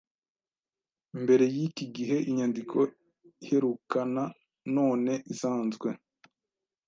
mbere yiki gihe Inyandiko iherukananone isanzwe